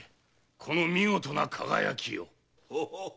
この見事な輝きを。